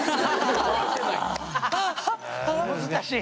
難しい？